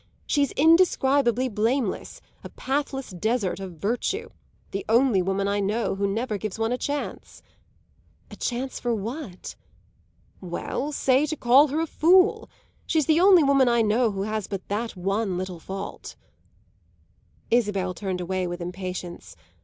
"She's indescribably blameless; a pathless desert of virtue; the only woman I know who never gives one a chance." "A chance for what?" "Well, say to call her a fool! She's the only woman I know who has but that one little fault." Isabel turned away with impatience.